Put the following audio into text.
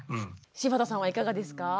柴田さんはいかがですか？